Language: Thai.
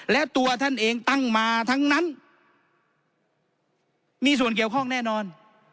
และตัวท่านเองตั้งมาทั้งนั้นมีส่วนเกี่ยวข้องแน่นอน